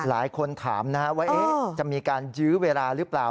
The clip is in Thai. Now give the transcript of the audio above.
หลายคนถามว่าจะมีการยื้อเวลาหรือเปล่า